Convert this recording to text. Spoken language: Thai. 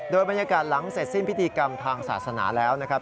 โดยบรรยากาศหลังเสร็จสิ้นพิธีกรรมทางศาสนาแล้วนะครับ